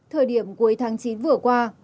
thời điểm cuối tháng chín vừa cuối